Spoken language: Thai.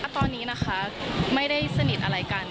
ตอนนี้นะคะไม่ได้สนิทอะไรกัน